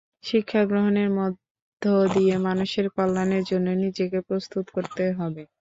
শিক্ষা গ্রহণের মধ্য দিয়ে মানুষের কল্যাণের জন্য নিজেকে প্রস্তুত করতে হবে।